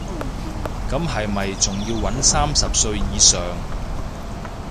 咁係咪仲要搵三十歲以上